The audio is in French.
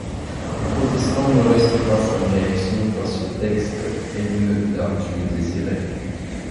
Les protestants ne restent pas sans réaction face aux textes haineux d'Artus Désiré.